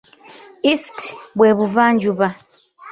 "East" bwe Buvanjuba.